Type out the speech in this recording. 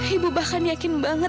ibu bahkan yakin banget